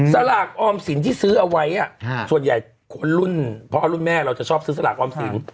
สลากออมสินที่ซื้อเอาไว้ส่วนใหญ่คนรุ่นพ่อรุ่นแม่เราจะชอบซื้อสลากออมสิน